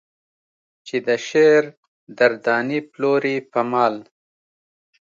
چې د شعر در دانې پلورې په مال.